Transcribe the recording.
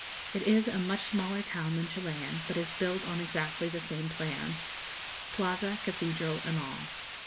It is a much smaller town than Chilian, but is built on exactly the same plan Plaza, cathedral, and all.